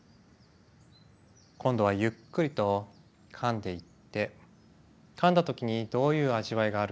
今度はゆっくりとかんでいってかんだ時にどういう味わいがあるか